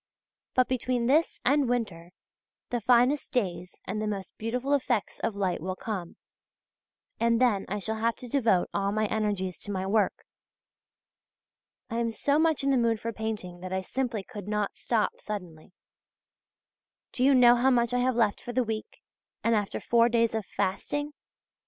But between this and winter, the finest days and the most beautiful effects of light will come, and then I shall have to devote all my energies to my work. I am so much in the mood for painting that I simply could not stop suddenly. Do you know how much I have left for the week, and after four days of fasting?